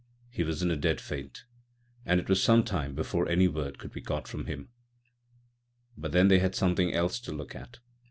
He was in a dead faint, and it was some time before any word could got from him. By then they had something else to look at.